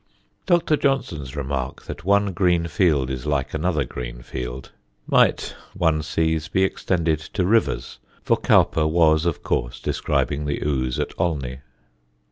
Dr. Johnson's remark that one green field is like another green field, might, one sees, be extended to rivers, for Cowper was, of course, describing the Ouse at Olney.